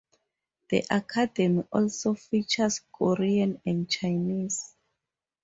The Academy also features Korean and Chinese.